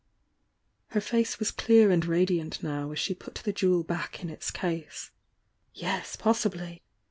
Her face was clear and radiant now as she put the jewel back in its case. "Yes, possibly!